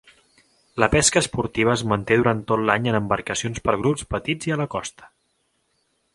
La pesca esportiva es manté durant tot l'any en embarcacions per a grups petits i a la costa.